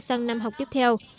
sang năm học tiếp theo